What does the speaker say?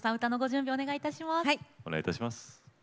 お願いいたします。